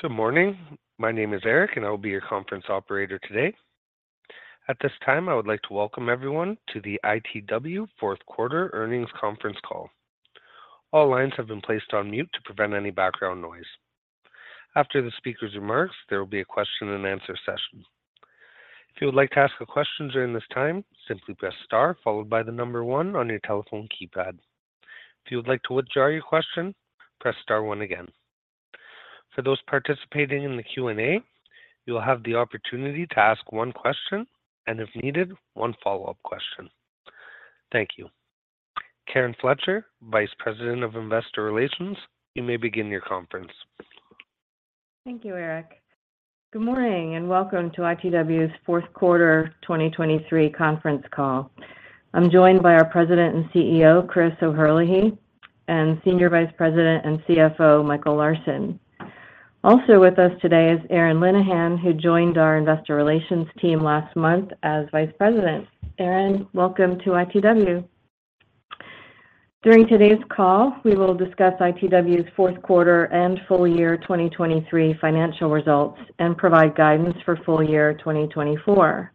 Good morning. My name is Eric, and I will be your conference operator today. At this time, I would like to welcome everyone to the ITW fourth quarter earnings conference call. All lines have been placed on mute to prevent any background noise. After the speaker's remarks, there will be a question and answer session. If you would like to ask a question during this time, simply press star followed by the number one on your telephone keypad. If you would like to withdraw your question, press star one again. For those participating in the Q&A, you will have the opportunity to ask one question, and if needed, one follow-up question. Thank you. Karen Fletcher, Vice President of Investor Relations, you may begin your conference. Thank you, Eric. Good morning, and welcome to ITW's fourth quarter 2023 conference call. I'm joined by our President and CEO, Chris O'Herlihy, and Senior Vice President and CFO, Michael Larsen. Also with us today is Erin Linnihan, who joined our Investor Relations team last month as Vice President. Erin, welcome to ITW. During today's call, we will discuss ITW's fourth quarter and full year 2023 financial results and provide guidance for full year 2024.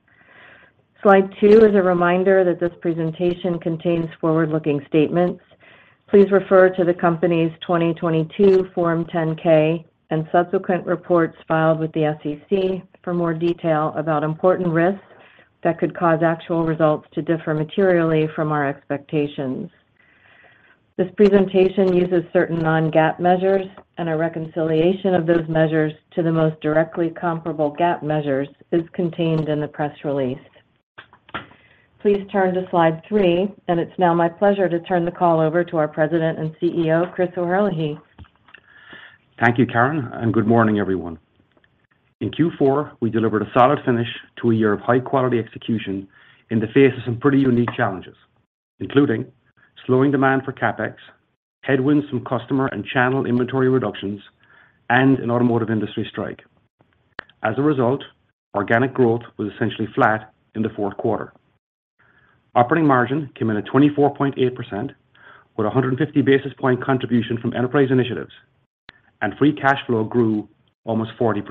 Slide two is a reminder that this presentation contains forward-looking statements. Please refer to the company's 2022 Form 10-K and subsequent reports filed with the SEC for more detail about important risks that could cause actual results to differ materially from our expectations. This presentation uses certain non-GAAP measures, and a reconciliation of those measures to the most directly comparable GAAP measures is contained in the press release. Please turn to slide three, and it's now my pleasure to turn the call over to our President and CEO, Chris O'Herlihy. Thank you, Karen, and good morning, everyone. In Q4, we delivered a solid finish to a year of high-quality execution in the face of some pretty unique challenges, including slowing demand for CapEx, headwinds from customer and channel inventory reductions, and an automotive industry strike. As a result, organic growth was essentially flat in the fourth quarter. Operating margin came in at 24.8%, with a 150 basis point contribution from enterprise initiatives, and free cash flow grew almost 40%.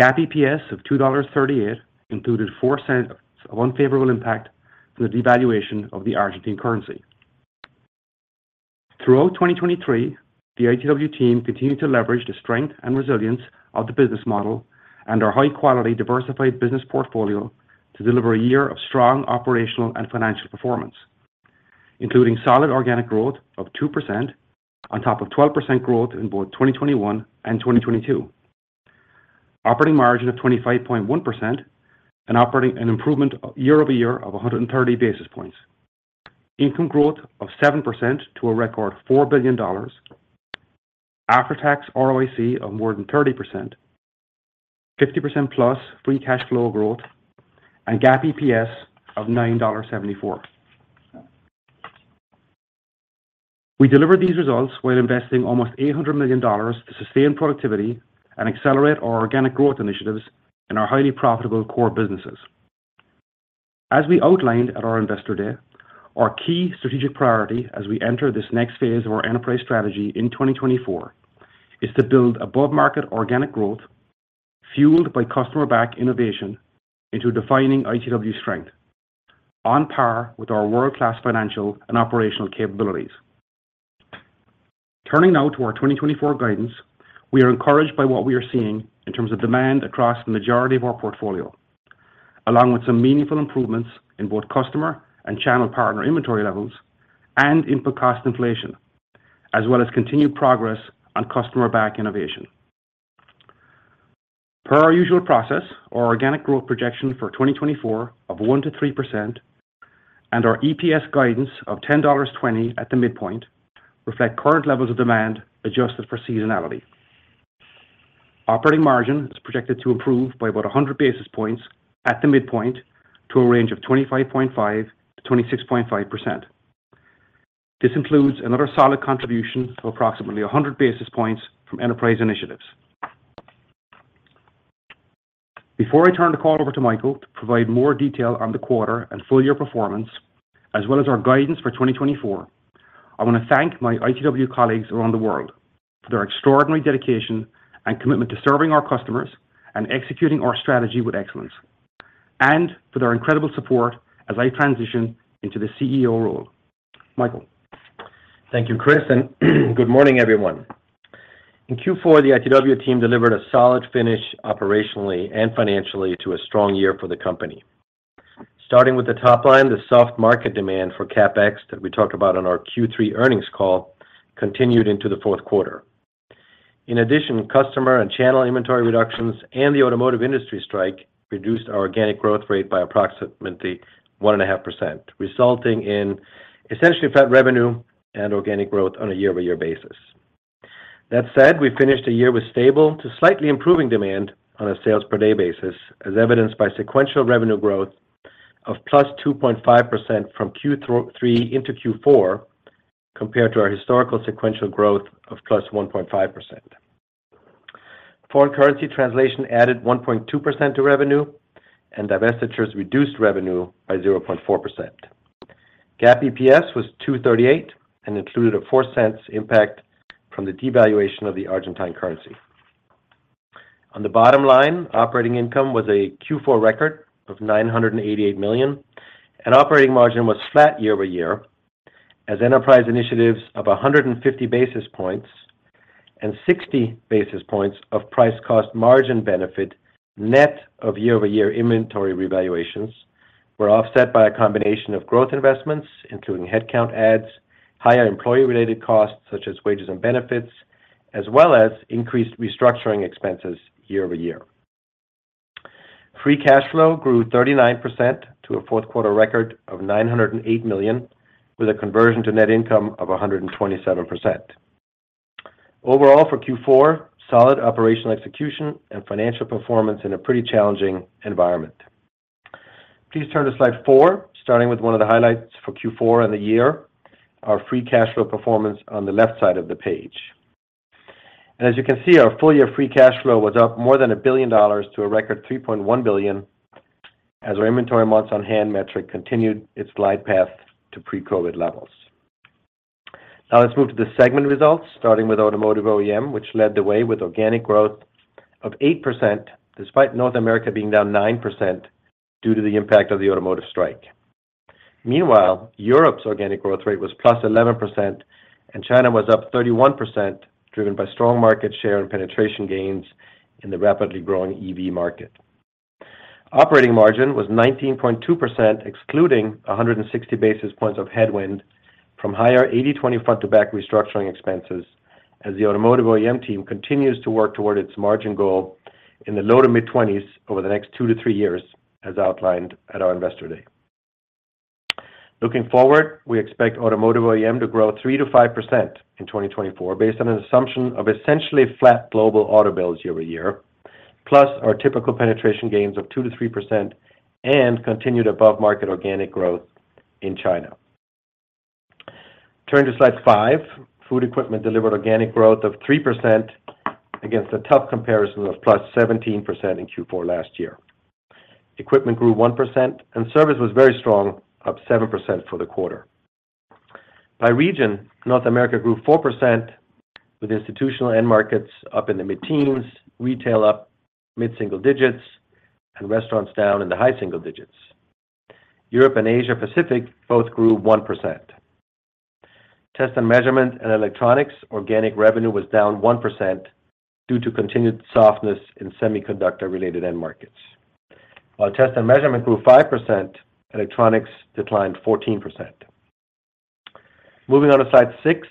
GAAP EPS of $2.38 included $0.04 of unfavorable impact from the devaluation of the Argentine currency. Throughout 2023, the ITW team continued to leverage the strength and resilience of the business model and our high-quality, diversified business portfolio to deliver a year of strong operational and financial performance, including solid organic growth of 2% on top of 12% growth in both 2021 and 2022. Operating margin of 25.1% and an improvement year over year of 130 basis points. Income growth of 7% to a record $4 billion. After-tax ROIC of more than 30%, 50%+ free cash flow growth, and GAAP EPS of $9.74. We delivered these results while investing almost $800 million to sustain productivity and accelerate our organic growth initiatives in our highly profitable core businesses. As we outlined at our Investor Day, our key strategic priority as we enter this next phase of our enterprise strategy in 2024, is to build above-market organic growth, fueled by Customer-Back innovation into defining ITW strength, on par with our world-class financial and operational capabilities. Turning now to our 2024 guidance, we are encouraged by what we are seeing in terms of demand across the majority of our portfolio, along with some meaningful improvements in both customer and channel partner inventory levels and input cost inflation, as well as continued progress on Customer-Back innovation. Per our usual process, our organic growth projection for 2024 of 1%-3% and our EPS guidance of $10.20 at the midpoint, reflect current levels of demand adjusted for seasonality. Operating margin is projected to improve by about 100 basis points at the midpoint to a range of 25.5%-26.5%. This includes another solid contribution of approximately 100 basis points from enterprise initiatives. Before I turn the call over to Michael to provide more detail on the quarter and full year performance, as well as our guidance for 2024, I want to thank my ITW colleagues around the world for their extraordinary dedication and commitment to serving our customers and executing our strategy with excellence, and for their incredible support as I transition into the CEO role. Michael? Thank you, Chris, and good morning, everyone. In Q4, the ITW team delivered a solid finish operationally and financially to a strong year for the company. Starting with the top line, the soft market demand for CapEx that we talked about on our Q3 earnings call continued into the fourth quarter. In addition, customer and channel inventory reductions and the automotive industry strike reduced our organic growth rate by approximately 1.5%, resulting in essentially flat revenue and organic growth on a year-over-year basis. That said, we finished the year with stable to slightly improving demand on a sales per day basis, as evidenced by sequential revenue growth of +2.5% from Q3 into Q4, compared to our historical sequential growth of +1.5%. Foreign currency translation added 1.2% to revenue, and divestitures reduced revenue by 0.4%.... GAAP EPS was $2.38 and included a $0.04 impact from the devaluation of the Argentine currency. On the bottom line, operating income was a Q4 record of $988 million, and operating margin was flat year-over-year, as enterprise initiatives of 150 basis points and 60 basis points of price cost margin benefit, net of year-over-year inventory revaluations, were offset by a combination of growth investments, including headcount adds, higher employee-related costs, such as wages and benefits, as well as increased restructuring expenses year-over-year. Free cash flow grew 39% to a fourth quarter record of $908 million, with a conversion to net income of 127%. Overall, for Q4, solid operational execution and financial performance in a pretty challenging environment. Please turn to slide four, starting with one of the highlights for Q4 and the year, our free cash flow performance on the left side of the page. As you can see, our full year free cash flow was up more than $1 billion to a record $3.1 billion, as our inventory months on hand metric continued its glide path to pre-COVID levels. Now let's move to the segment results, starting with Automotive OEM, which led the way with organic growth of 8%, despite North America being down 9% due to the impact of the automotive strike. Meanwhile, Europe's organic growth rate was plus 11%, and China was up 31%, driven by strong market share and penetration gains in the rapidly growing EV market. Operating margin was 19.2%, excluding 160 basis points of headwind from higher 80/20 Front-to-Back restructuring expenses, as the Automotive OEM team continues to work toward its margin goal in the low- to mid-20s over the next two three years, as outlined at our Investor Day. Looking forward, we expect Automotive OEM to grow 3%-5% in 2024, based on an assumption of essentially flat global auto builds year over year, plus our typical penetration gains of 2%-3% and continued above-market organic growth in China. Turn to Slide five. Food Equipment delivered organic growth of 3% against a tough comparison of +17% in Q4 last year. Equipment grew 1%, and service was very strong, up 7% for the quarter. By region, North America grew 4%, with institutional end markets up in the mid-teens, retail up mid-single digits, and restaurants down in the high single digits. Europe and Asia Pacific both grew 1%. Test & Measurement and Electronics, organic revenue was down 1% due to continued softness in semiconductor-related end markets. While test and measurement grew 5%, electronics declined 14%. Moving on to slide six.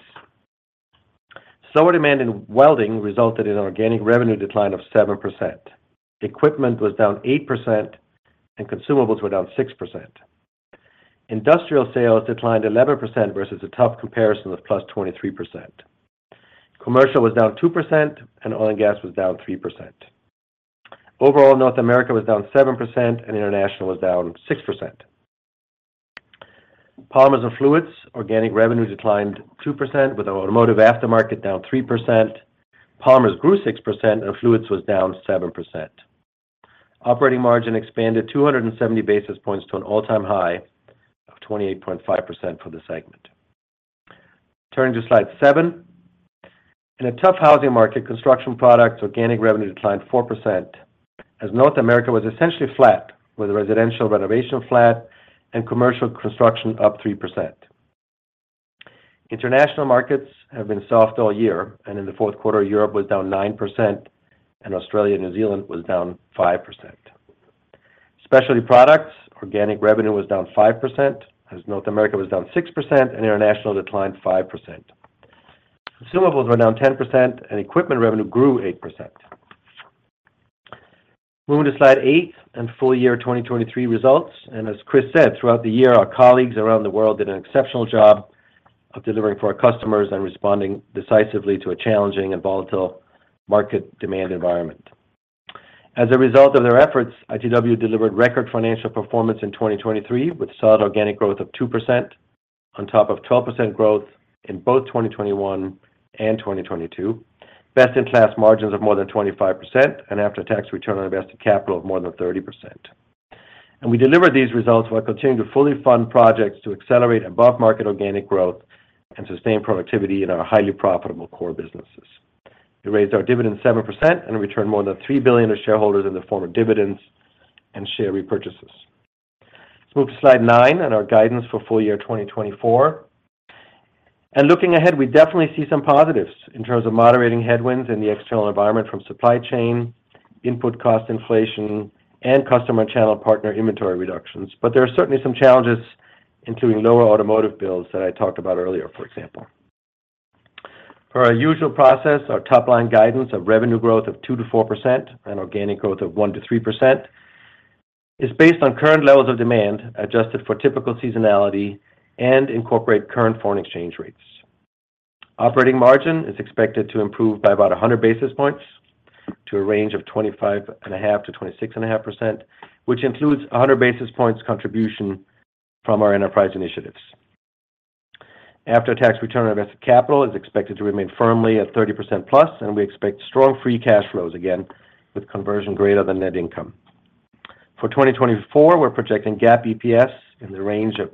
Slower demand in welding resulted in an organic revenue decline of 7%. Equipment was down 8%, and consumables were down 6%. Industrial sales declined 11% versus a tough comparison of +23%. Commercial was down 2%, and oil and gas was down 3%. Overall, North America was down 7%, and International was down 6%. Polymers & Fluids, organic revenue declined 2%, with the automotive aftermarket down 3%. Polymers grew 6%, and fluids was down 7%. Operating margin expanded 270 basis points to an all-time high of 28.5% for the segment. Turning to slide seven. In a tough housing market, Construction Products organic revenue declined 4%, as North America was essentially flat, with residential renovation flat and commercial construction up 3%. International markets have been soft all year, and in the fourth quarter, Europe was down 9%, and Australia and New Zealand was down 5%. Specialty Products organic revenue was down 5%, as North America was down 6% and international declined 5%. Consumables were down 10%, and equipment revenue grew 8%. Moving to slide 8 and full year 2023 results, and as Chris said, throughout the year, our colleagues around the world did an exceptional job of delivering for our customers and responding decisively to a challenging and volatile market demand environment. As a result of their efforts, ITW delivered record financial performance in 2023, with solid organic growth of 2% on top of 12% growth in both 2021 and 2022, best-in-class margins of more than 25%, and after-tax return on invested capital of more than 30%. We delivered these results while continuing to fully fund projects to accelerate above-market organic growth and sustain productivity in our highly profitable core businesses. We raised our dividend 7% and returned more than $3 billion to shareholders in the form of dividends and share repurchases. Let's move to slide 9 and our guidance for full year 2024. Looking ahead, we definitely see some positives in terms of moderating headwinds in the external environment from supply chain, input cost inflation, and customer and channel partner inventory reductions. But there are certainly some challenges, including lower automotive builds that I talked about earlier, for example. Per our usual process, our top-line guidance of revenue growth of 2%-4% and organic growth of 1%-3% is based on current levels of demand, adjusted for typical seasonality and incorporate current foreign exchange rates. Operating margin is expected to improve by about 100 basis points to a range of 25.5%-26.5%, which includes 100 basis points contribution from our enterprise initiatives. After-tax return on invested capital is expected to remain firmly at 30%+, and we expect strong free cash flows again, with conversion greater than net income. For 2024, we're projecting GAAP EPS in the range of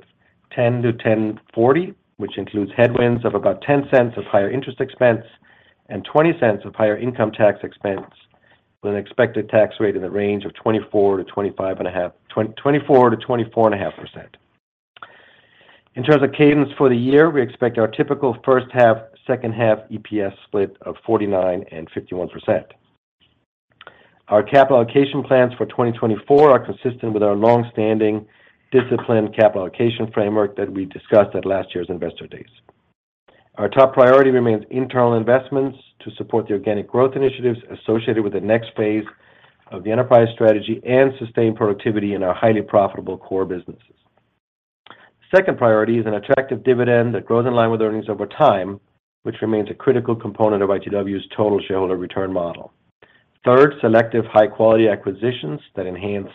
$10-$10.40, which includes headwinds of about $0.10 of higher interest expense and $0.20 of higher income tax expense, with an expected tax rate in the range of 24%-24.5%. In terms of cadence for the year, we expect our typical first half, second half EPS split of 49%-51%. Our capital allocation plans for 2024 are consistent with our long-standing disciplined capital allocation framework that we discussed at last year's Investor Days. Our top priority remains internal investments to support the organic growth initiatives associated with the next phase of the enterprise strategy and sustained productivity in our highly profitable core businesses. Second priority is an attractive dividend that grows in line with earnings over time, which remains a critical component of ITW's total shareholder return model. Third, selective high-quality acquisitions that enhance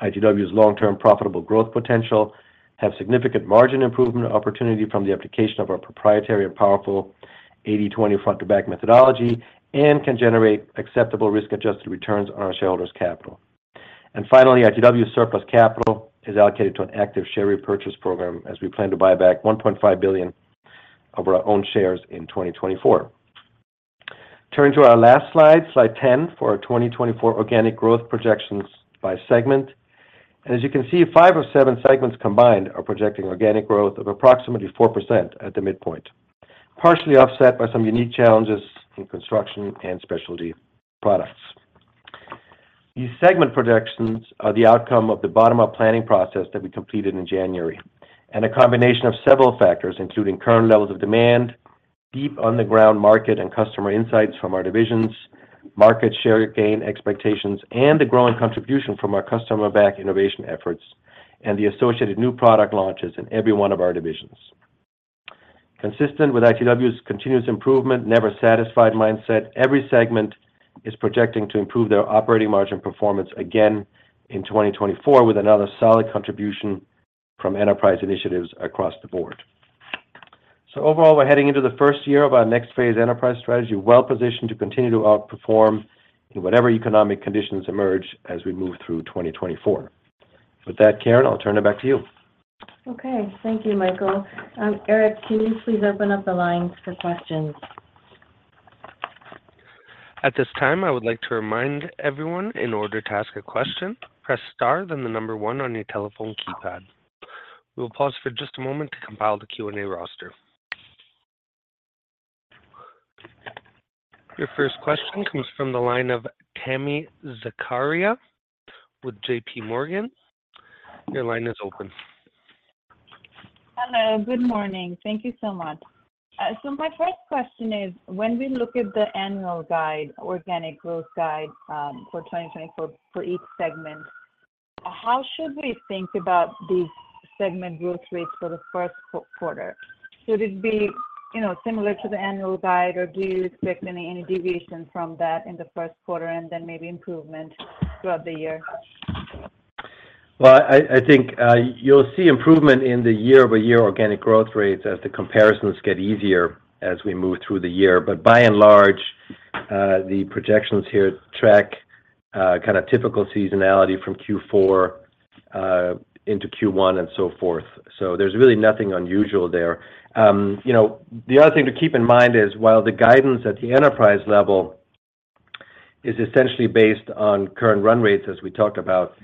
ITW's long-term profitable growth potential have significant margin improvement opportunity from the application of our proprietary and powerful 80/20 Front-to-Back methodology and can generate acceptable risk-adjusted returns on our shareholders' capital. And finally, ITW surplus capital is allocated to an active share repurchase program as we plan to buy back $1.5 billion of our own shares in 2024. Turning to our last slide, slide 10, for our 2024 organic growth projections by segment. As you can see, five of seven segments combined are projecting organic growth of approximately 4% at the midpoint, partially offset by some unique challenges in construction and specialty products. These segment projections are the outcome of the bottom-up planning process that we completed in January, and a combination of several factors, including current levels of demand, deep on-the-ground market and customer insights from our divisions, market share gain expectations, and the growing contribution from our customer-backed innovation efforts and the associated new product launches in every one of our divisions. Consistent with ITW's continuous improvement, never satisfied mindset, every segment is projecting to improve their operating margin performance again in 2024, with another solid contribution from enterprise initiatives across the board. Overall, we're heading into the first year of our next phase enterprise strategy, well-positioned to continue to outperform in whatever economic conditions emerge as we move through 2024. With that, Karen, I'll turn it back to you. Okay. Thank you, Michael. Eric, can you please open up the lines for questions? At this time, I would like to remind everyone in order to ask a question, press star, then the number one on your telephone keypad. We will pause for just a moment to compile the Q&A roster. Your first question comes from the line of Tami Zakaria with JPMorgan. Your line is open. Hello, good morning. Thank you so much. So my first question is, when we look at the annual guide, organic growth guide, for 2024 for each segment, how should we think about these segment growth rates for the first quarter? Should it be, you know, similar to the annual guide, or do you expect any deviation from that in the first quarter and then maybe improvement throughout the year? Well, I think you'll see improvement in the year-over-year organic growth rates as the comparisons get easier as we move through the year. But by and large, the projections here track kind of typical seasonality from Q4 into Q1 and so forth. So there's really nothing unusual there. You know, the other thing to keep in mind is, while the guidance at the enterprise level is essentially based on current run rates, as we talked about,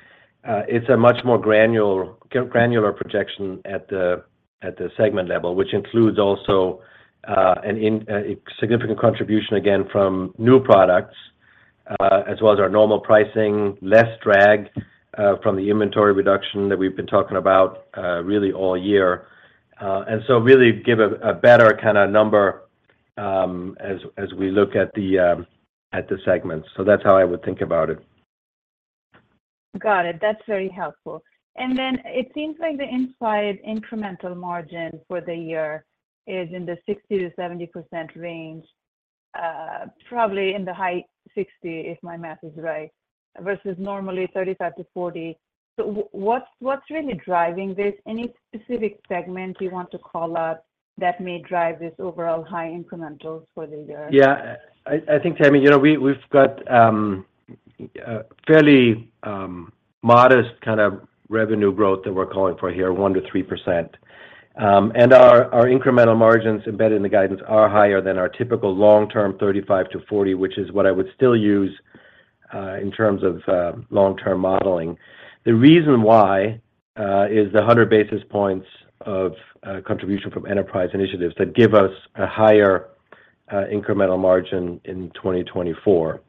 it's a much more granular projection at the segment level, which includes also a significant contribution, again, from new products, as well as our normal pricing, less drag from the inventory reduction that we've been talking about, really all year. And so really give a better kind of number, as we look at the segments. So that's how I would think about it. Got it. That's very helpful. And then it seems like the implied incremental margin for the year is in the 60%-70% range, probably in the high 60, if my math is right, versus normally 35%-40%. So what's really driving this? Any specific segment you want to call out that may drive this overall high incrementals for the year? Yeah. I think, Tami, you know, we've got a fairly modest kind of revenue growth that we're calling for here, 1%-3%. And our incremental margins embedded in the guidance are higher than our typical long-term 35%-40%, which is what I would still use in terms of long-term modeling. The reason why is the 100 basis points of contribution from enterprise initiatives that give us a higher incremental margin in 2024.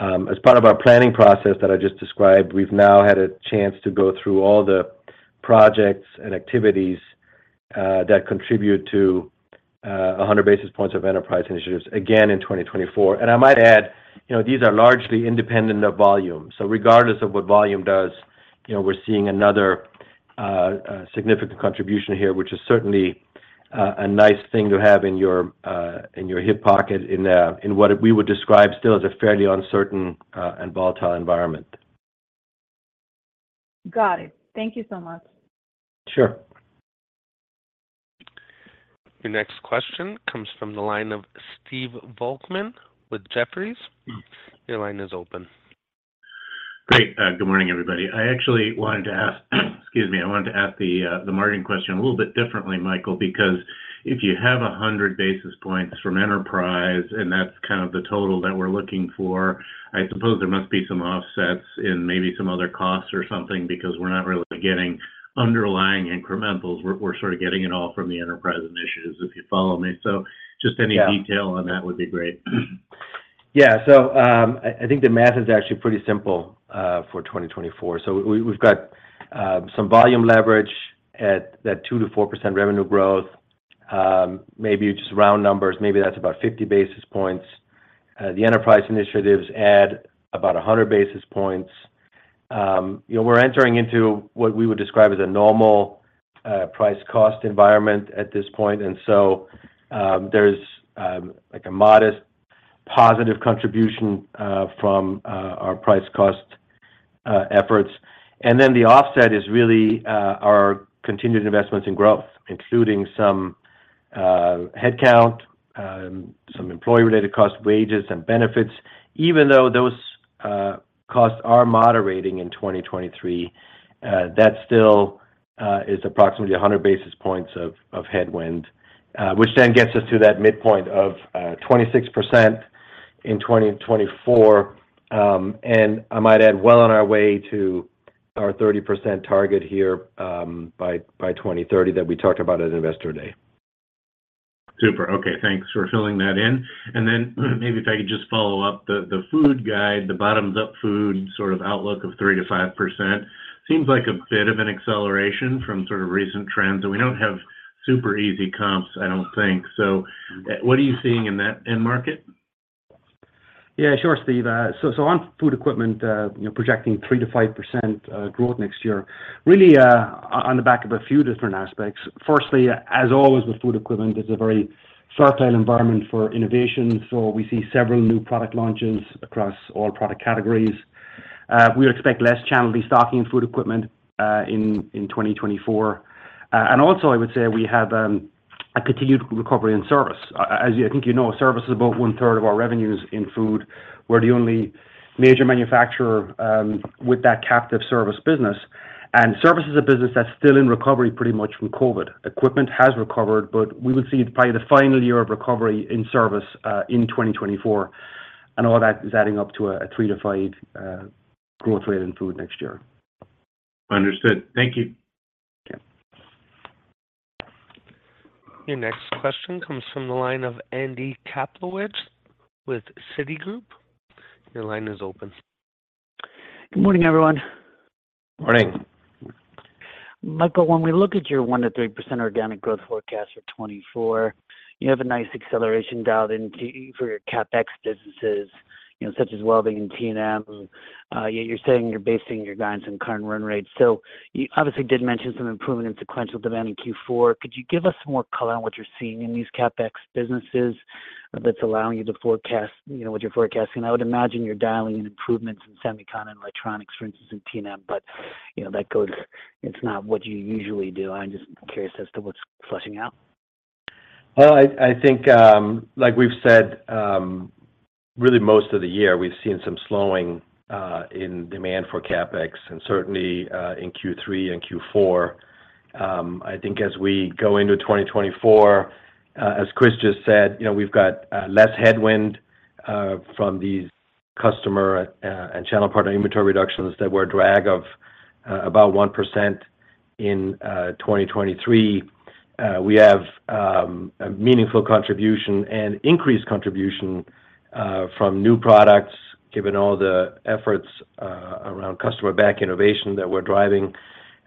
As part of our planning process that I just described, we've now had a chance to go through all the projects and activities that contribute to a 100 basis points of enterprise initiatives, again, in 2024. And I might add, you know, these are largely independent of volume. So regardless of what volume does, you know, we're seeing another, significant contribution here, which is certainly a nice thing to have in your, in your hip pocket, in, in what we would describe still as a fairly uncertain, and volatile environment.... Got it. Thank you so much. Sure. Your next question comes from the line of Steve Volkmann with Jefferies. Your line is open. Great. Good morning, everybody. I actually wanted to ask, excuse me, I wanted to ask the margin question a little bit differently, Michael, because if you have 100 basis points from enterprise, and that's kind of the total that we're looking for, I suppose there must be some offsets in maybe some other costs or something, because we're not really getting underlying incrementals. We're, we're sort of getting it all from the enterprise initiatives, if you follow me. So just any detail- Yeah. On that would be great. Yeah, so, I think the math is actually pretty simple for 2024. So we've got some volume leverage at that 2%-4% revenue growth. Maybe just round numbers, maybe that's about 50 basis points. The enterprise initiatives add about 100 basis points. You know, we're entering into what we would describe as a normal price cost environment at this point. And so, there's like a modest positive contribution from our price cost efforts. And then the offset is really our continued investments in growth, including some headcount, some employee-related costs, wages, and benefits. Even though those costs are moderating in 2023, that still is approximately 100 basis points of headwind, which then gets us to that midpoint of 26% in 2024. And I might add, well, on our way to our 30% target here, by 2030, that we talked about at Investor Day. Super. Okay, thanks for filling that in. And then, maybe if I could just follow up on the Food Group, the bottoms-up Food sort of outlook of 3%-5%, seems like a bit of an acceleration from sort of recent trends, and we don't have super easy comps, I don't think. So, what are you seeing in that end market? Yeah, sure, Steve. So on food equipment, you know, projecting 3%-5% growth next year, really, on the back of a few different aspects. First, as always, with food equipment, it's a very fertile environment for innovation, so we see several new product launches across all product categories. We expect less channel destocking in food equipment in 2024. And also, I would say we have a continued recovery in service. As I think you know, service is about one-third of our revenues in food. We're the only major manufacturer with that captive service business, and service is a business that's still in recovery pretty much from COVID. Equipment has recovered, but we will see probably the final year of recovery in service in 2024, and all that is adding up to a 3%-5% growth rate in food next year. Understood. Thank you. Yeah. Your next question comes from the line of Andy Kaplowitz with Citigroup. Your line is open. Good morning, everyone. Morning. Michael, when we look at your 1%-3% organic growth forecast for 2024, you have a nice acceleration dialed into for your CapEx businesses, you know, such as Welding and T&M. Yet you're saying you're basing your guidance on current run rates. So you obviously did mention some improvement in sequential demand in Q4. Could you give us some more color on what you're seeing in these CapEx businesses that's allowing you to forecast, you know, what you're forecasting? I would imagine you're dialing in improvements in semiconductor and electronics, for instance, in T&M, but, you know, that goes—it's not what you usually do. I'm just curious as to what's flushing out. Well, I think, like we've said, really most of the year, we've seen some slowing in demand for CapEx, and certainly in Q3 and Q4. I think as we go into 2024, as Chris just said, you know, we've got less headwind from these customer and channel partner inventory reductions that were a drag of about 1% in 2023. We have a meaningful contribution and increased contribution from new products, given all the efforts around Customer-Back Innovation that we're driving.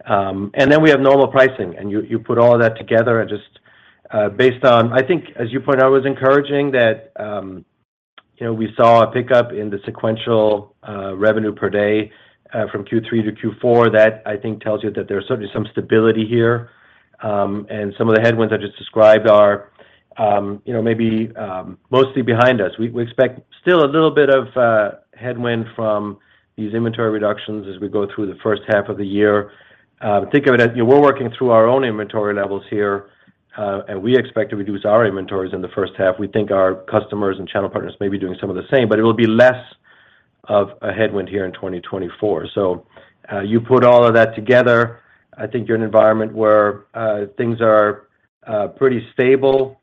And then we have normal pricing, and you put all of that together and just based on... I think as you point out, it was encouraging that, you know, we saw a pickup in the sequential revenue per day from Q3 to Q4. That, I think, tells you that there's certainly some stability here, and some of the headwinds I just described are, you know, maybe, mostly behind us. We expect still a little bit of headwind from these inventory reductions as we go through the first half of the year. Think of it as, you know, we're working through our own inventory levels here, and we expect to reduce our inventories in the first half. We think our customers and channel partners may be doing some of the same, but it will be less of a headwind here in 2024. So, you put all of that together, I think you're an environment where things are pretty stable.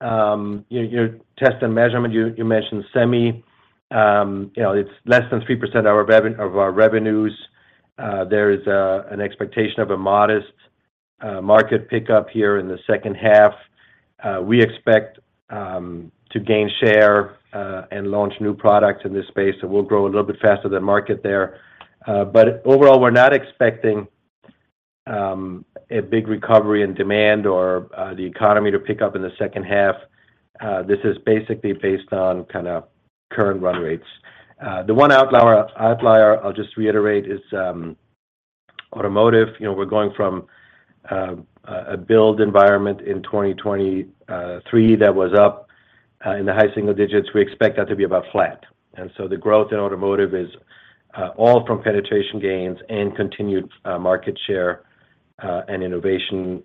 Your test and measurement, you mentioned semi. You know, it's less than 3% of our revenues. There is an expectation of a modest market pickup here in the second half. We expect to gain share and launch new products in this space, so we'll grow a little bit faster than market there. But overall, we're not expecting a big recovery in demand or the economy to pick up in the second half. This is basically based on kind of current run rates. The one outlier I'll just reiterate is automotive. You know, we're going from a build environment in 2023 that was up in the high single digits. We expect that to be about flat. And so the growth in automotive is all from penetration gains and continued market share and innovation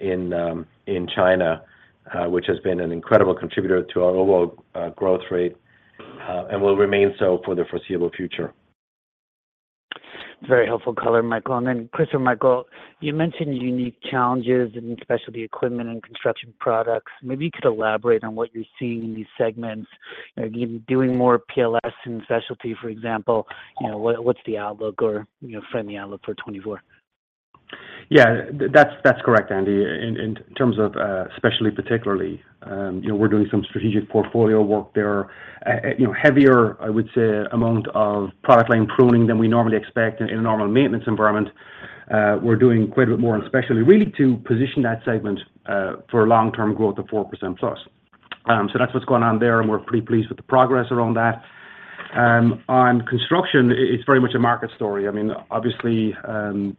in China, which has been an incredible contributor to our overall growth rate and will remain so for the foreseeable future. Very helpful color, Michael. And then Chris or Michael, you mentioned unique challenges in specialty equipment and construction products. Maybe you could elaborate on what you're seeing in these segments. Are you doing more PLS in specialty, for example, you know, what, what's the outlook or, you know, frame the outlook for 2024? Yeah, that's, that's correct, Andy. In terms of especially particularly you know we're doing some strategic portfolio work there you know heavier I would say amount of product line pruning than we normally expect in a normal maintenance environment. We're doing quite a bit more and especially really to position that segment for long-term growth of 4%+. So that's what's going on there and we're pretty pleased with the progress around that. On construction it's very much a market story. I mean obviously you know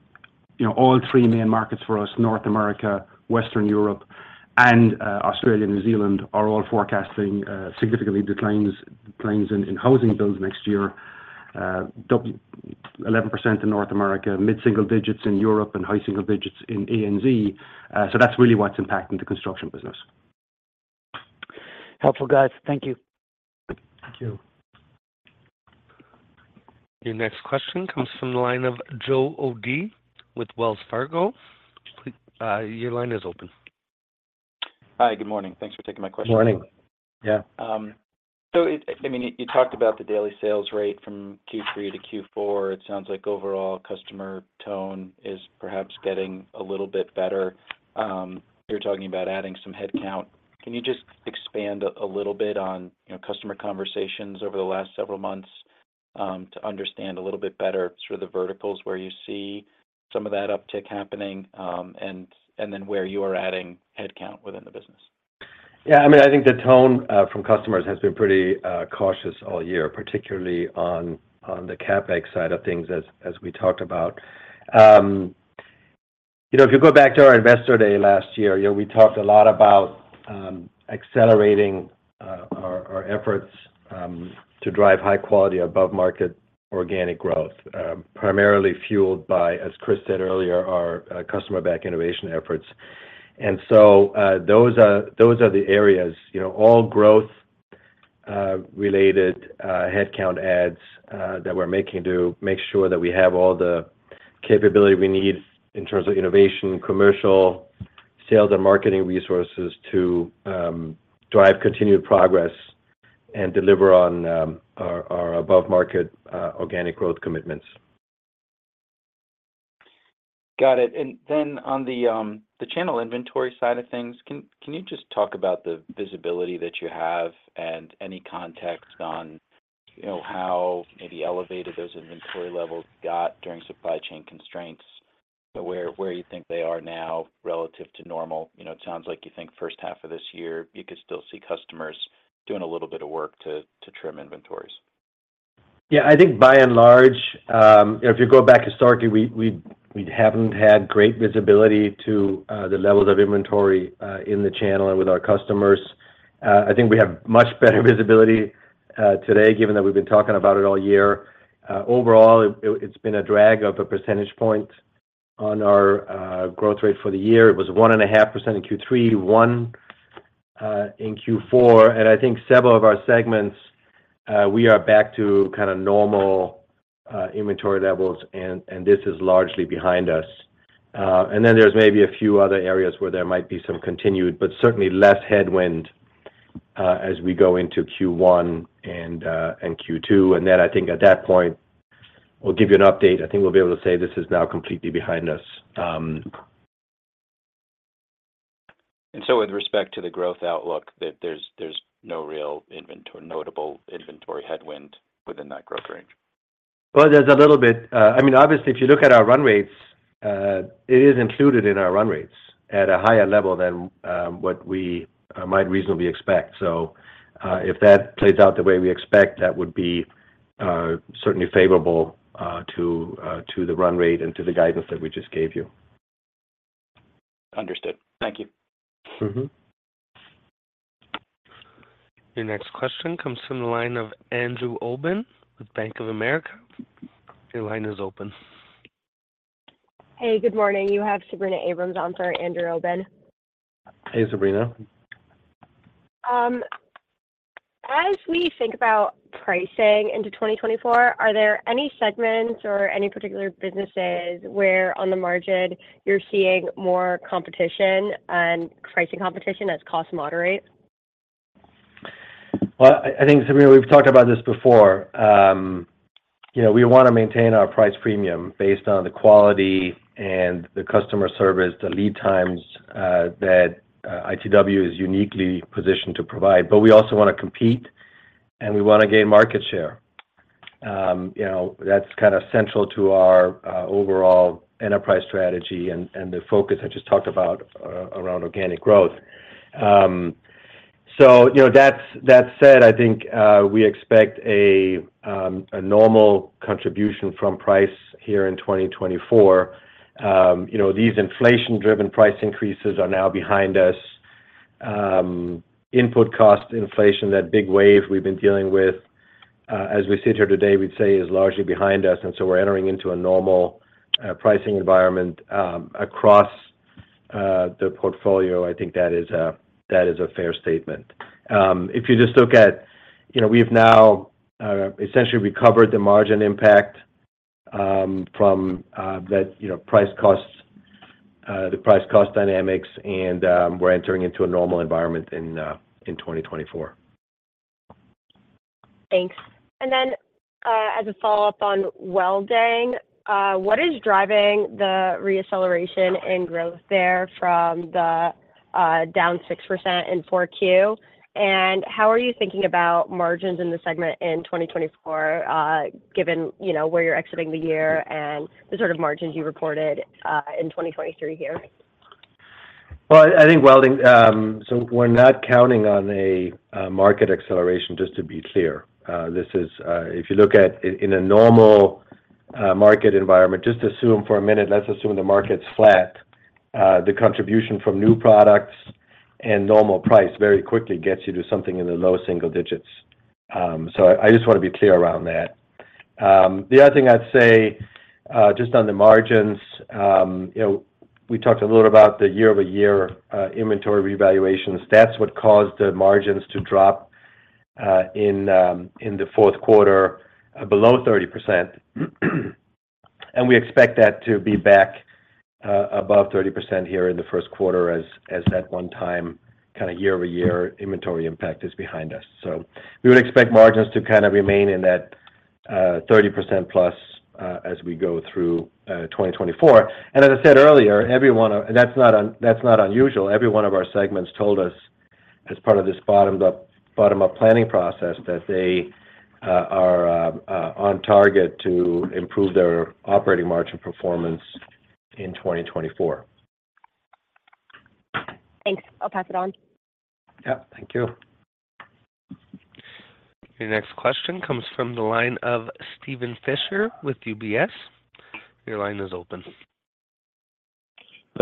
all three main markets for us: North America, Western Europe, and Australia, New Zealand are all forecasting significant declines in housing builds next year. 11% in North America, mid-single digits in Europe, and high single digits in ANZ. So that's really what's impacting the construction business. Helpful, guys. Thank you. Thank you. Your next question comes from the line of Joe O'Dea with Wells Fargo. Your line is open. Hi, good morning. Thanks for taking my question. Good morning. Yeah. So I mean, you talked about the daily sales rate from Q3 to Q4. It sounds like overall customer tone is perhaps getting a little bit better. You're talking about adding some headcount. Can you just expand a little bit on, you know, customer conversations over the last several months, to understand a little bit better sort of the verticals where you see some of that uptick happening, and, and then where you are adding headcount within the business? Yeah, I mean, I think the tone from customers has been pretty cautious all year, particularly on the CapEx side of things, as we talked about. You know, if you go back to our Investor Day last year, you know, we talked a lot about accelerating our efforts to drive high quality above market organic growth, primarily fueled by, as Chris said earlier, our customer back innovation efforts. And so, those are the areas, you know, all growth related headcount adds that we're making to make sure that we have all the capability we need in terms of innovation, commercial sales and marketing resources to drive continued progress and deliver on our above market organic growth commitments. Got it. And then on the channel inventory side of things, can you just talk about the visibility that you have and any context on, you know, how maybe elevated those inventory levels got during supply chain constraints, but where you think they are now relative to normal? You know, it sounds like you think first half of this year, you could still see customers doing a little bit of work to trim inventories. Yeah, I think by and large, if you go back historically, we haven't had great visibility to the levels of inventory in the channel and with our customers. I think we have much better visibility today, given that we've been talking about it all year. Overall, it's been a drag of a percentage point on our growth rate for the year. It was 1.5% in Q3, 1% in Q4, and I think several of our segments we are back to kind of normal inventory levels, and this is largely behind us. And then there's maybe a few other areas where there might be some continued, but certainly less headwind as we go into Q1 and Q2. And then I think at that point, we'll give you an update. I think we'll be able to say this is now completely behind us... And so with respect to the growth outlook, that there's no real notable inventory headwind within that growth range? Well, there's a little bit. I mean, obviously, if you look at our run rates, it is included in our run rates at a higher level than what we might reasonably expect. So, if that plays out the way we expect, that would be certainly favorable to the run rate and to the guidance that we just gave you. Understood. Thank you. Mm-hmm. Your next question comes from the line of Andrew Obin with Bank of America. Your line is open. Hey, good morning. You have Sabrina Abrams on for Andrew Obin. Hey, Sabrina. As we think about pricing into 2024, are there any segments or any particular businesses where on the margin you're seeing more competition and pricing competition as costs moderate? Well, I think, Sabrina, we've talked about this before. You know, we wanna maintain our price premium based on the quality and the customer service, the lead times, that ITW is uniquely positioned to provide. But we also wanna compete, and we wanna gain market share. You know, that's kind of central to our overall enterprise strategy and the focus I just talked about around organic growth. So you know, that's-that said, I think we expect a normal contribution from price here in 2024. You know, these inflation-driven price increases are now behind us.... input cost inflation, that big wave we've been dealing with, as we sit here today, we'd say is largely behind us, and so we're entering into a normal, pricing environment, across, the portfolio. I think that is a, that is a fair statement. If you just look at, you know, we've now, essentially recovered the margin impact, from, that, you know, price-cost, the price-cost dynamics, and, we're entering into a normal environment in, in 2024. Thanks. And then, as a follow-up on welding, what is driving the reacceleration in growth there from the down 6% in Q4? And how are you thinking about margins in the segment in 2024, given, you know, where you're exiting the year and the sort of margins you reported in 2023 here? Well, I think welding, so we're not counting on a market acceleration, just to be clear. This is, if you look at in a normal market environment, just assume for a minute, let's assume the market's flat, the contribution from new products and normal price very quickly gets you to something in the low single digits. So I just want to be clear around that. The other thing I'd say, just on the margins, you know, we talked a little about the year-over-year inventory revaluations. That's what caused the margins to drop in the fourth quarter below 30%. And we expect that to be back above 30% here in the first quarter as that one-time, kind of year-over-year inventory impact is behind us. So we would expect margins to kind of remain in that 30%+ as we go through 2024. And as I said earlier, that's not unusual. Every one of our segments told us as part of this bottom-up planning process that they are on target to improve their operating margin performance in 2024. Thanks. I'll pass it on. Yeah, thank you. Your next question comes from the line of Stephen Fisher with UBS. Your line is open.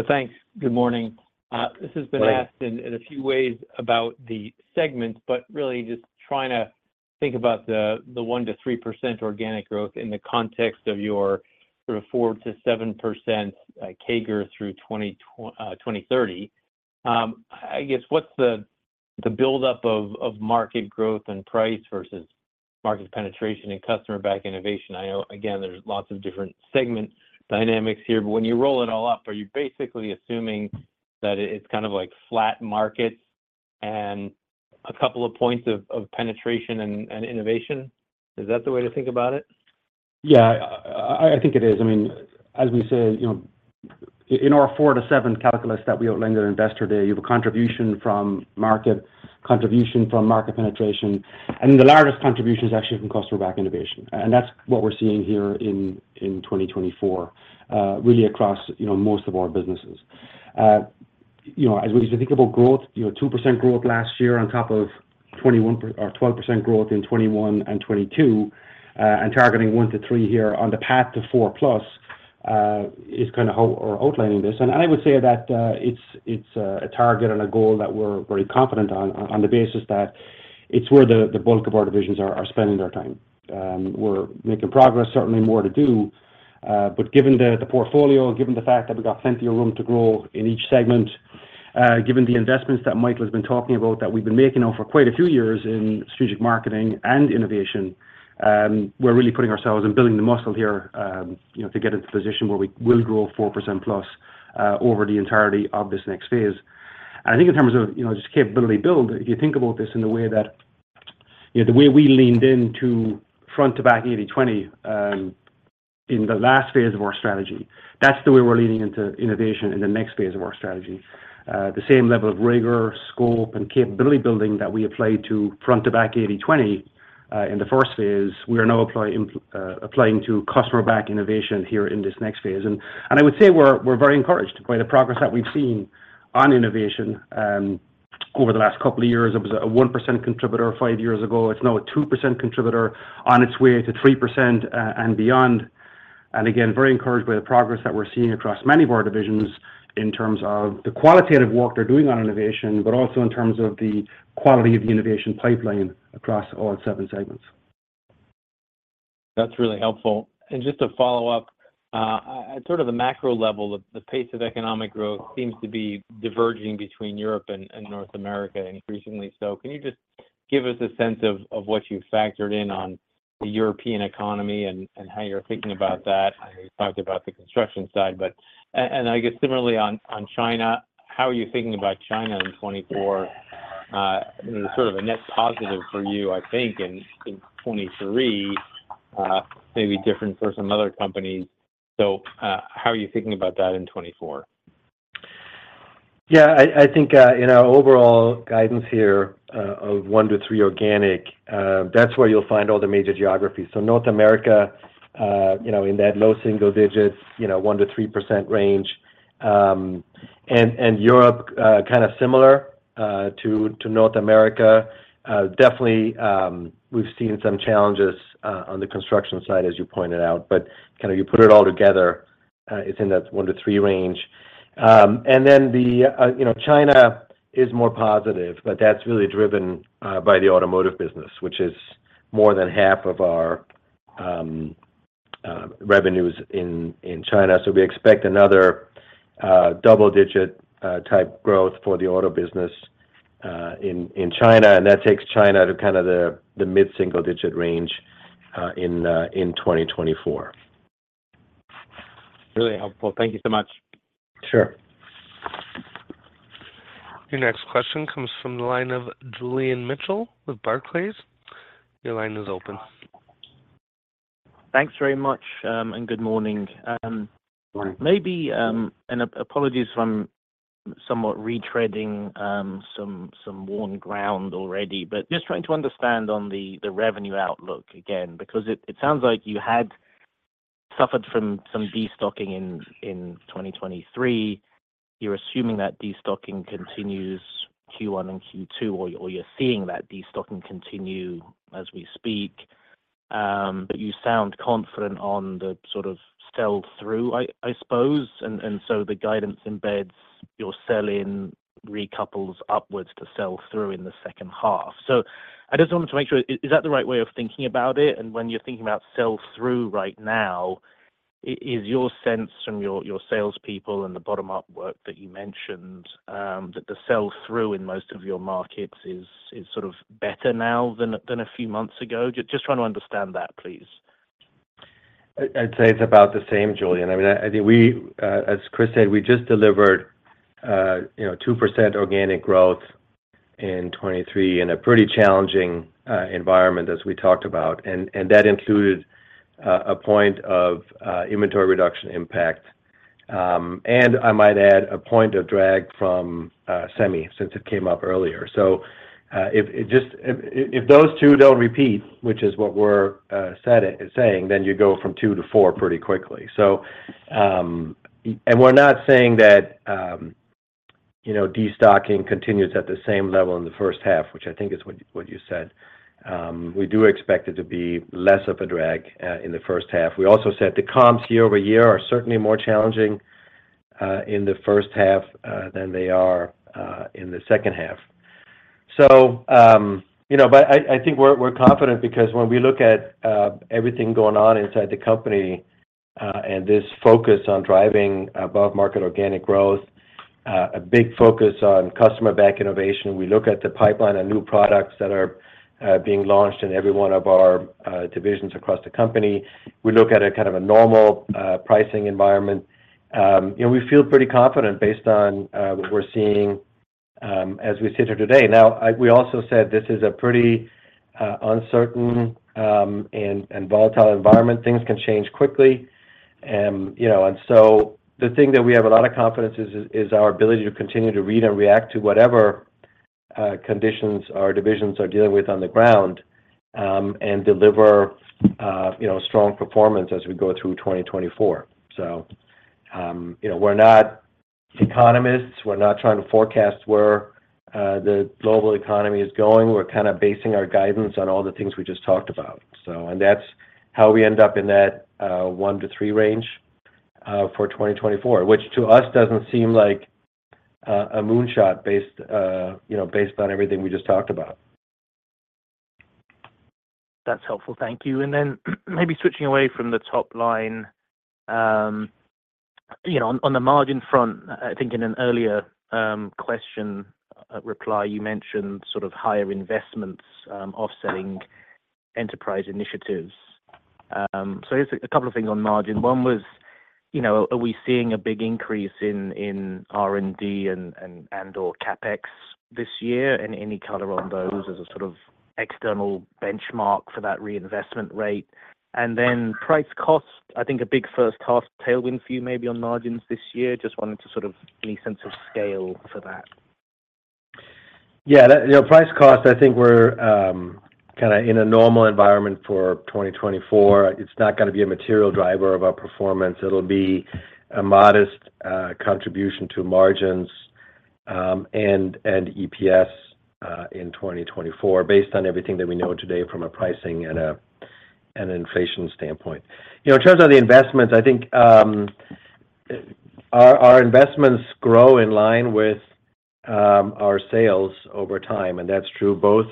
Thanks. Good morning. Hi. This has been asked in a few ways about the segments, but really just trying to think about the 1%-3% organic growth in the context of your sort of 4%-7% CAGR through 2030. I guess, what's the buildup of market growth and price versus market penetration and customer back innovation? I know, again, there's lots of different segment dynamics here, but when you roll it all up, are you basically assuming that it's kind of like flat markets and a couple of points of penetration and innovation? Is that the way to think about it? Yeah, I, I think it is. I mean, as we say, you know, in our four to seven calculus that we outlined in our Investor Day, you have a contribution from market, contribution from market penetration, and the largest contribution is actually from Customer-Back Innovation. And that's what we're seeing here in 2024, really across, you know, most of our businesses. You know, as we think about growth, you know, 2% growth last year on top of 21, or 12% growth in 2021 and 2022, and targeting 1%-3% here on the path to four plus, is how we're outlining this. And I would say that, it's, it's, a target and a goal that we're very confident on, on the basis that it's where the, the bulk of our divisions are, are spending their time. We're making progress, certainly more to do, but given the portfolio, given the fact that we've got plenty of room to grow in each segment, given the investments that Michael has been talking about, that we've been making now for quite a few years in strategic marketing and innovation, we're really putting ourselves and building the muscle here, you know, to get into the position where we will grow 4%+ over the entirety of this next phase. And I think in terms of, you know, just capability build, if you think about this in the way that, you know, the way we leaned into front to back 80/20, in the last phase of our strategy, that's the way we're leaning into innovation in the next phase of our strategy. The same level of rigor, scope, and capability building that we applied to front to back 80/20, in the first phase, we are now applying to customer back innovation here in this next phase. And I would say we're very encouraged by the progress that we've seen on innovation, over the last couple of years. It was a 1% contributor five years ago. It's now a 2% contributor on its way to 3%, and beyond. And again, very encouraged by the progress that we're seeing across many of our divisions in terms of the qualitative work they're doing on innovation, but also in terms of the quality of the innovation pipeline across all seven segments. That's really helpful. And just to follow up, at sort of the macro level, the pace of economic growth seems to be diverging between Europe and North America increasingly. So can you just give us a sense of what you factored in on the European economy and how you're thinking about that? I know you talked about the construction side, but... And I guess similarly on China, how are you thinking about China in 2024? Sort of a net positive for you, I think, in 2023, maybe different for some other companies. So, how are you thinking about that in 2024? Yeah, I think, in our overall guidance here, of one to three organic, that's where you'll find all the major geographies. So North America, you know, in that low single digits, you know, 1%-3% range, and Europe, kind of similar, to North America. Definitely, we've seen some challenges, on the construction side, as you pointed out, but kind of you put it all together.... it's in that one to three range. And then, you know, China is more positive, but that's really driven by the automotive business, which is more than half of our revenues in China. So we expect another double-digit type growth for the auto business in China, and that takes China to kind of the mid-single-digit range in 2024. Really helpful. Thank you so much. Sure. Your next question comes from the line of Julian Mitchell with Barclays. Your line is open. Thanks very much, and good morning. Good morning. Maybe, and apologies if I'm somewhat retreading some worn ground already, but just trying to understand on the revenue outlook again, because it sounds like you had suffered from some destocking in 2023. You're assuming that destocking continues Q1 and Q2, or you're seeing that destocking continue as we speak. But you sound confident on the sort of sell-through, I suppose, and so the guidance embeds your sell-in recouples upwards to sell-through in the second half. So I just wanted to make sure, is that the right way of thinking about it? And when you're thinking about sell-through right now, is your sense from your salespeople and the bottom-up work that you mentioned that the sell-through in most of your markets is sort of better now than a few months ago? Just trying to understand that, please. I'd say it's about the same, Julian. I mean, I think we, as Chris said, we just delivered, you know, 2% organic growth in 2023 in a pretty challenging environment, as we talked about, and that included a point of inventory reduction impact. And I might add a point of drag from semi since it came up earlier. So, if those two don't repeat, which is what we're saying, then you go from two to four pretty quickly. So, and we're not saying that, you know, destocking continues at the same level in the first half, which I think is what you said. We do expect it to be less of a drag in the first half. We also said the comps year over year are certainly more challenging in the first half than they are in the second half. So, you know, but I think we're confident because when we look at everything going on inside the company and this focus on driving above-market organic growth, a big focus on customer back innovation, we look at the pipeline and new products that are being launched in every one of our divisions across the company. We look at a kind of normal pricing environment. And we feel pretty confident based on what we're seeing as we sit here today. Now, we also said this is a pretty uncertain and volatile environment. Things can change quickly. You know, and so the thing that we have a lot of confidence is, is our ability to continue to read and react to whatever, conditions our divisions are dealing with on the ground, and deliver, you know, strong performance as we go through 2024. So, you know, we're not economists, we're not trying to forecast where, the global economy is going. We're kind of basing our guidance on all the things we just talked about. So, and that's how we end up in that, one to three range, for 2024, which to us doesn't seem like, a moonshot based, you know, based on everything we just talked about. That's helpful. Thank you. And then, maybe switching away from the top line, you know, on, on the margin front, I think in an earlier question, reply, you mentioned sort of higher investments offsetting Enterprise Initiatives. So here's a couple of things on margin. One was, you know, are we seeing a big increase in R&D and/or CapEx this year, and any color on those as a sort of external benchmark for that reinvestment rate? And then price-cost, I think a big first half tailwind for you, maybe on margins this year. Just wanted to sort of any sense of scale for that. Yeah, that, you know, price cost, I think we're kind of in a normal environment for 2024. It's not gonna be a material driver of our performance. It'll be a modest contribution to margins, and EPS, in 2024, based on everything that we know today from a pricing and an inflation standpoint. You know, in terms of the investments, I think our investments grow in line with our sales over time, and that's true both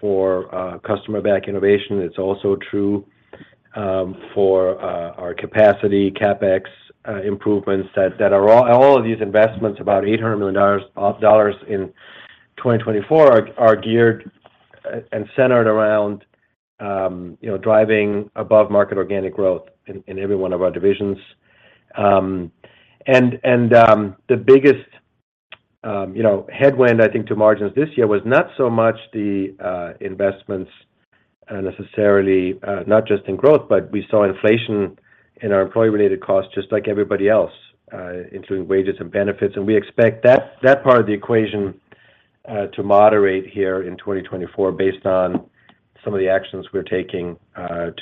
for customer back innovation. It's also true for our capacity, CapEx, improvements, that are all of these investments, about $800 million in 2024 are geared and centered around, you know, driving above market organic growth in every one of our divisions. And the biggest, you know, headwind, I think, to margins this year was not so much the investments, necessarily, not just in growth, but we saw inflation in our employee-related costs just like everybody else, including wages and benefits. And we expect that part of the equation to moderate here in 2024 based on some of the actions we're taking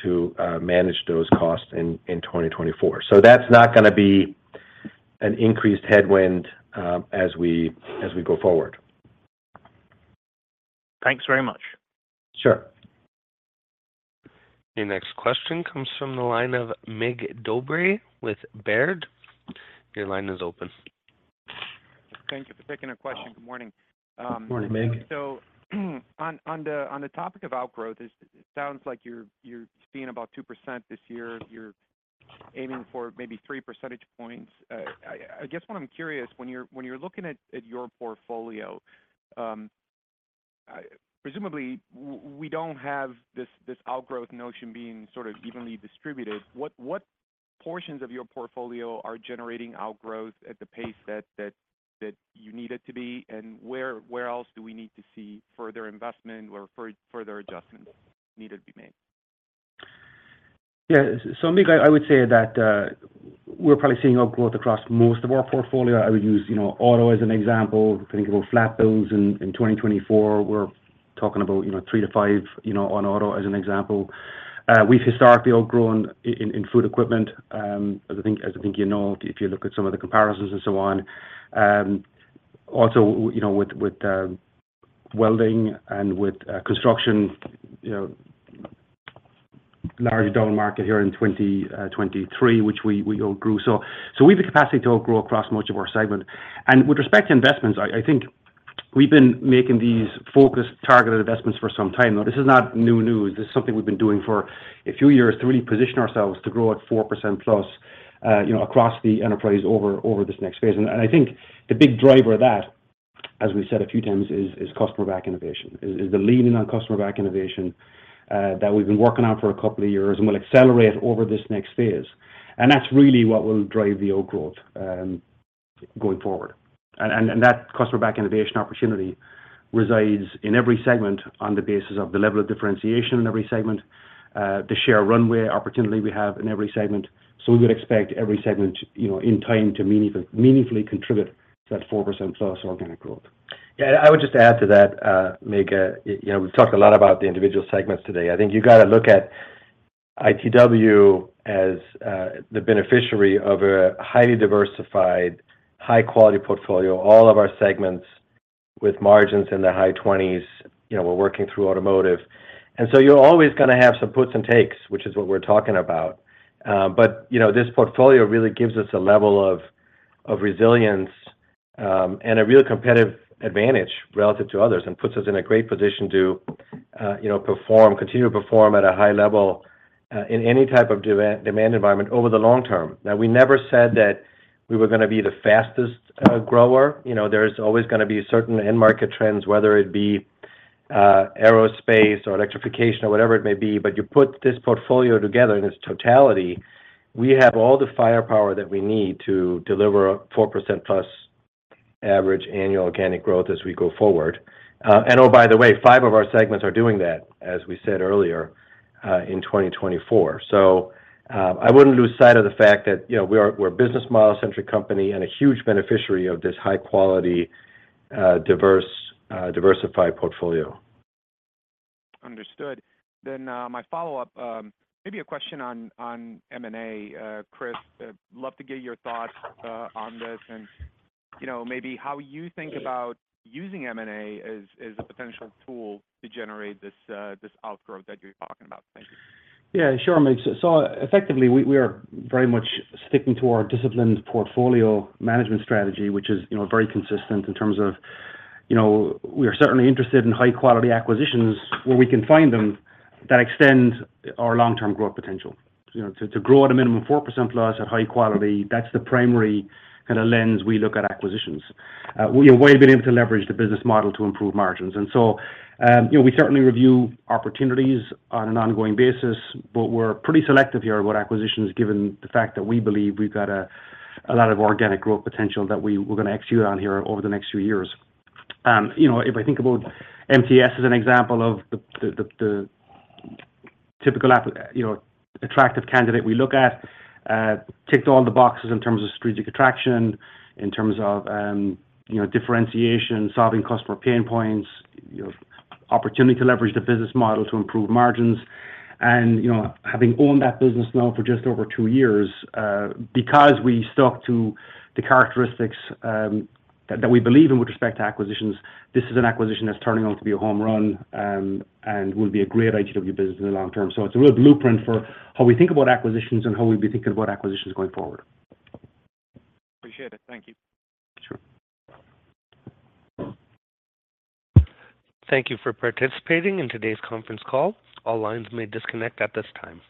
to manage those costs in 2024. So that's not gonna be an increased headwind as we go forward.... Thanks very much. Sure. Your next question comes from the line of Mig Dobre with Baird. Your line is open. Thank you for taking the question. Good morning. Good morning, Mig. So on the topic of outgrowth, it sounds like you're seeing about 2% this year. You're aiming for maybe three percentage points. I guess what I'm curious, when you're looking at your portfolio, presumably, we don't have this outgrowth notion being sort of evenly distributed. What portions of your portfolio are generating outgrowth at the pace that you need it to be? And where else do we need to see further investment or further adjustments needed to be made? Yeah. So Mig, I would say that we're probably seeing outgrowth across most of our portfolio. I would use, you know, auto as an example. If you think about flat builds in 2024, we're talking about, you know, three to five, you know, on auto as an example. We've historically outgrown in food equipment, as I think you know, if you look at some of the comparisons and so on. Also, you know, with welding and with construction, you know, large down market here in 2023, which we outgrew. So we have the capacity to outgrow across much of our segment. And with respect to investments, I think we've been making these focused, targeted investments for some time now. This is not new news. This is something we've been doing for a few years to really position ourselves to grow at 4%+, you know, across the enterprise over this next phase. And I think the big driver of that, as we've said a few times, is customer-back innovation. Is the leaning on customer-back innovation that we've been working on for a couple of years and will accelerate over this next phase. And that's really what will drive the organic growth going forward. And that customer-back innovation opportunity resides in every segment on the basis of the level of differentiation in every segment, the share runway opportunity we have in every segment. So we would expect every segment, you know, in time to meaningfully contribute to that 4%+ organic growth. Yeah, I would just add to that, Mig, you know, we've talked a lot about the individual segments today. I think you got to look at ITW as the beneficiary of a highly diversified, high quality portfolio, all of our segments with margins in the high 20s%. You know, we're working through automotive, and so you're always gonna have some puts and takes, which is what we're talking about. But, you know, this portfolio really gives us a level of resilience and a real competitive advantage relative to others, and puts us in a great position to, you know, perform, continue to perform at a high level in any type of demand environment over the long term. Now, we never said that we were gonna be the fastest grower. You know, there's always gonna be certain end market trends, whether it be, aerospace or electrification or whatever it may be, but you put this portfolio together in its totality, we have all the firepower that we need to deliver a 4%+ average annual organic growth as we go forward. And, oh, by the way, five of our segments are doing that, as we said earlier, in 2024. So, I wouldn't lose sight of the fact that, you know, we're a business model-centric company and a huge beneficiary of this high quality, diverse, diversified portfolio. Understood. Then, my follow-up, maybe a question on M&A. Chris, love to get your thoughts on this, and you know, maybe how you think about using M&A as a potential tool to generate this outgrowth that you're talking about. Thank you. Yeah, sure, Mig. So effectively, we are very much sticking to our disciplined portfolio management strategy, which is, you know, very consistent in terms of... You know, we are certainly interested in high-quality acquisitions, where we can find them, that extend our long-term growth potential. You know, to grow at a minimum 4%+ at high quality, that's the primary kinda lens we look at acquisitions. We've been able to leverage the business model to improve margins. And so, you know, we certainly review opportunities on an ongoing basis, but we're pretty selective here about acquisitions, given the fact that we believe we've got a lot of organic growth potential that we're gonna execute on here over the next few years. You know, if I think about MTS as an example of the typical acquisition, you know, attractive candidate we look at, ticked all the boxes in terms of strategic attraction, in terms of, you know, differentiation, solving customer pain points, you know, opportunity to leverage the business model to improve margins. And, you know, having owned that business now for just over two years, because we stuck to the characteristics that we believe in with respect to acquisitions, this is an acquisition that's turning out to be a home run, and will be a great ITW business in the long term. So it's a real blueprint for how we think about acquisitions and how we'll be thinking about acquisitions going forward. Appreciate it. Thank you. Sure. Thank you for participating in today's conference call. All lines may disconnect at this time.